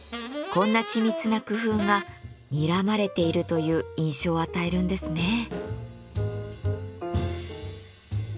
こんな緻密な工夫がにらまれているという印象を与えるんですね。